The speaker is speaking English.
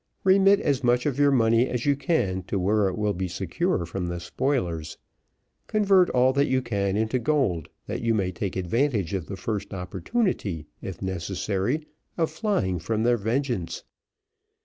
Remit as much of your money as you can to where it will be secure from the spoilers. Convert all that you can into gold, that you may take advantage of the first opportunity, if necessary, of flying from their vengeance.